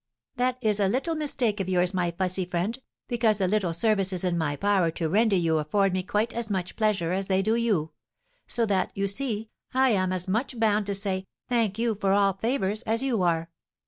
"That is a little mistake of yours, my fussy friend, because the little services in my power to render you afford me quite as much pleasure as they do you; so that, you see, I am as much bound to say 'Thank you for all favours,' as you are.